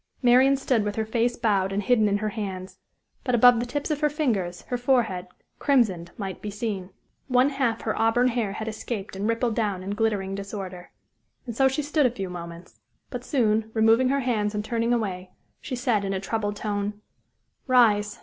Marian stood with her face bowed and hidden in her hands; but above the tips of her fingers, her forehead, crimsoned, might be seen. One half her auburn hair had escaped and rippled down in glittering disorder. And so she stood a few moments. But soon, removing her hands and turning away, she said, in a troubled tone: "Rise.